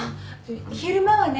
昼間はね